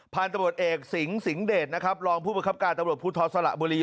ผ่านตรวจเอกสิงห์สิงห์เดชนะครับรองผู้ประคับการตรวจพุทธศละบุรี